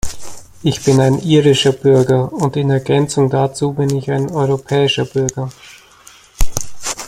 Ich bin ein irischer Bürger und in Ergänzung dazu bin ich ein europäischer Bürger.